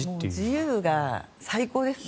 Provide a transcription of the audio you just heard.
自由が大事ですね。